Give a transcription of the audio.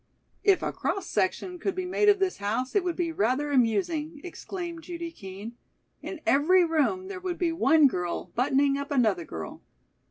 "If a cross section could be made of this house, it would be rather amusing," exclaimed Judy Kean. "In every room there would be one girl buttoning up another girl."